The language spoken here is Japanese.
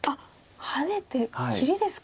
ハネて切りですか。